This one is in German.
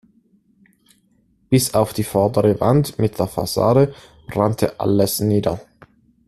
Bis auf die vordere Wand mit der Fassade brannte alles nieder.